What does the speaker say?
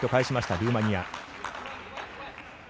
ルーマニア。